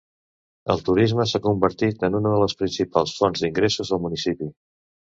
El turisme s'ha convertit en una de les principals fonts d'ingressos del municipi.